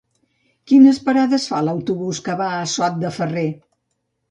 Quines parades fa l'autobús que va a Sot de Ferrer?